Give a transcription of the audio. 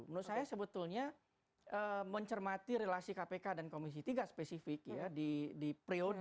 menurut saya sebetulnya mencermati relasi kpk dan komisi tiga spesifik di pre od